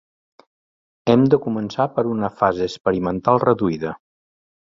Hem de començar per una fase experimental reduïda.